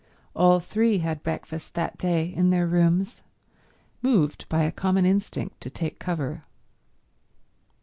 All three had breakfast that day in their rooms, moved by a common instinct to take cover.